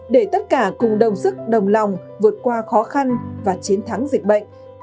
để tất cả cùng đồng sức đồng lòng vượt qua khó khăn và chiến thắng dịch bệnh